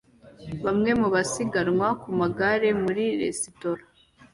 Bamwe mu basiganwa ku magare muri resitora